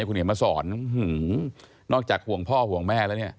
คุณเห็นมาสอนนอกจากห่วงพ่อห่วงแม่